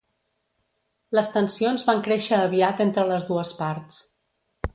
Les tensions van créixer aviat entre les dues parts.